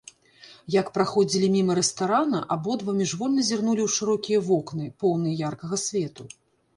Як праходзілі міма рэстарана, абодва міжвольна зірнулі ў шырокія вокны, поўныя яркага свету.